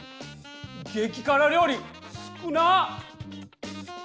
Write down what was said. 激辛料理少なっ！